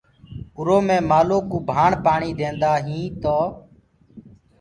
اُرو مين مآلو ڪو ڀآڻ پآڻي ديندآ هين تو